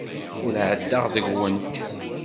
Ur ɛeddaɣ deg-went.